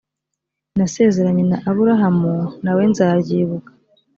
nasezeranye na aburahamu na we nzaryibuka